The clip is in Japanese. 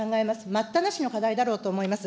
待ったなしの課題だろうと思います。